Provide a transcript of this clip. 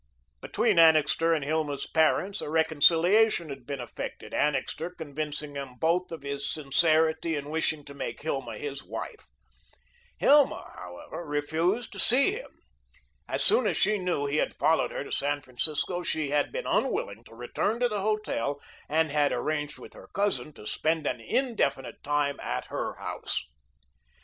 Between Annixter and Hilma's parents, a reconciliation had been effected, Annixter convincing them both of his sincerity in wishing to make Hilma his wife. Hilma, however, refused to see him. As soon as she knew he had followed her to San Francisco she had been unwilling to return to the hotel and had arranged with her cousin to spend an indefinite time at her house.